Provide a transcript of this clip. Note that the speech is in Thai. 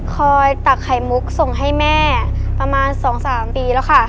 ตักไข่มุกส่งให้แม่ประมาณ๒๓ปีแล้วค่ะ